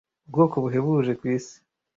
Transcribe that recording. ubwoko buhebuje ku isi